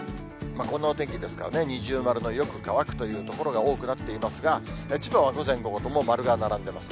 こんなお天気ですからね、二重丸のよく乾くという所が多くなっていますが、千葉は午前、午後とも丸が並んでいます。